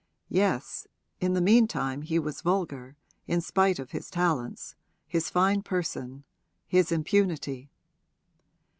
Yes, in the meantime he was vulgar, in spite of his talents, his fine person, his impunity.